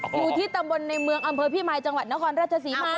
อยู่ที่ตำบลในเมืองอำเภอพี่มายจังหวัดนครราชศรีมา